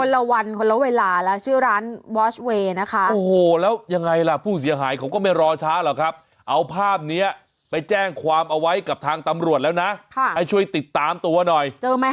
คนละวันคนละเวลาและชื่อร้านบล็อชเวย์นะคะโอ้จะไงหรอพู้เสียหายของไม่รอช้านะครับเอาภาพเนี่ยไปแจ้งความเอาไว้กับทางทำรวจแล้วนะให้ช่วยติดตามตัวหน่อยเจอไหม